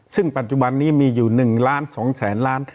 ซึ่งปัจจุบันนี้มีอยู่๑ล้าน๒แสนล้าน